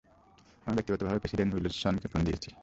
আমি ব্যক্তিগতভাবে প্রেসিডেন্ট উইলসনকে ফোন দিয়েছি।